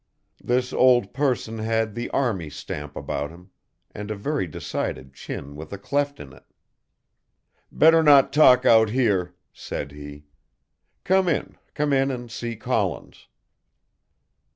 This old person had the Army stamp about him, and a very decided chin with a cleft in it. "Better not talk out here," said he, "come in, come in and see Collins."